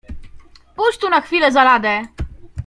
"Pójdź tu na chwilę za ladę!"